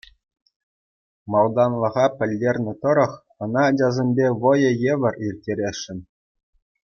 Малтанлӑха пӗлтернӗ тӑрӑх, ӑна ачасемпе вӑйӑ евӗр ирттересшӗн.